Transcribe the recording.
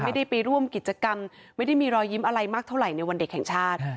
ไม่ได้ไปร่วมกิจกรรมไม่ได้มีรอยยิ้มอะไรมากเท่าไหร่ในวันเด็กแห่งชาติ